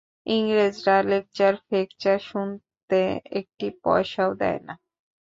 ইংরেজরা লেকচার-ফেকচার শুনতে একটি পয়সাও দেয় না।